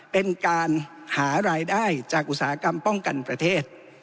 เป็นการหารายได้จากอุตสาหกรรมป้องกันประเทศ